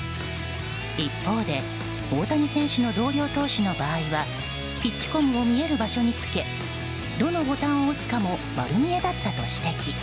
一方で、大谷選手の同僚投手の場合はピッチコムを見える場所に着けどのボタンを押すかも丸見えだったと指摘。